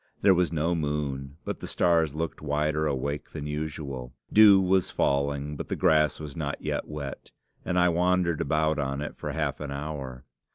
There was no moon, but the stars looked wider awake than usual. Dew was falling, but the grass was not yet wet, and I wandered about on it for half an hour.